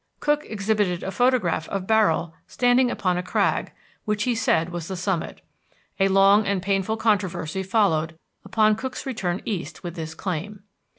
Cook exhibited a photograph of Barrill standing upon a crag, which he said was the summit. A long and painful controversy followed upon Cook's return east with this claim.